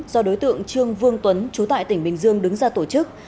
do đối tượng trương vương tuấn chú tại tỉnh bình dương đứng ra tổ chức